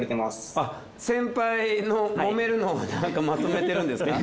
あっ先輩のもめるのをなんかまとめてるんですか？